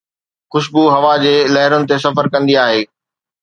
خوشبو هوا جي لهرن تي سفر ڪندي آهي.